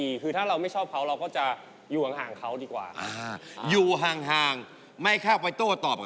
อยู่ห่างไม่เข้าไปโต้ตอบกับเขานะครับ